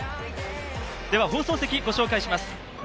では放送席、ご紹介します。